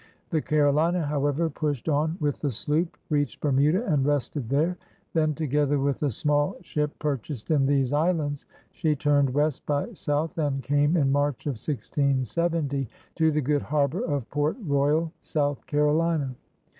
The Carolina, however, pushed on with the sloop, reached Bermuda, and rested there; then, together with a small ship purchased 206 PIONEERS OP THE OLD SOUTH in these islands, she turned west by south axid came in March of 1670 to the good harbor of Port Royal, South Carolina.